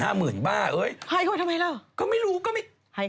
ให้เขาไปทำไมแล้วก็ไม่รู้ก็ไม่